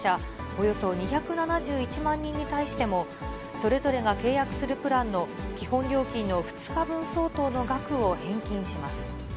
およそ２７１万人に対しても、それぞれが契約するプランの基本料金の２日分相当の額を返金します。